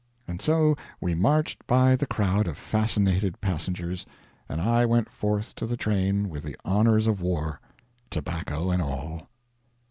And so we marched by the crowd of fascinated passengers, and I went forth to the train with the honors of war. Tobacco and all.